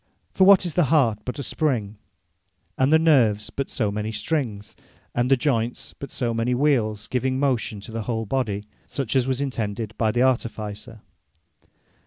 For what is the Heart, but a Spring; and the Nerves, but so many Strings; and the Joynts, but so many Wheeles, giving motion to the whole Body, such as was intended by the Artificer?